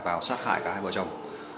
vào sát hại cả hai vợ chồng